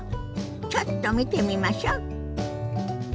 ちょっと見てみましょ。